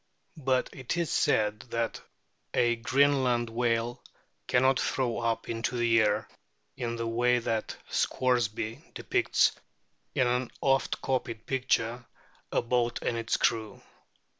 But it is said that a Greenland whale cannot throw up into the air, in the way that Scoresby depicts in an oft copied picture, a boat and its crew.